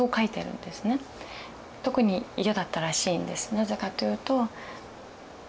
なぜかというと。